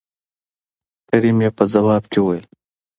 کريم يې په ځواب کې وويل